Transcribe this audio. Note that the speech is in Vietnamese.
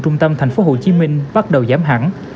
trung tâm tp hcm bắt đầu giảm hẳn